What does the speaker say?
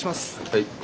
はい。